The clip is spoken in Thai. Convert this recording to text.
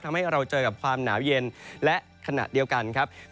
ทำให้เราเจอกับความหนาวเย็นและขณะเดียวกันครับ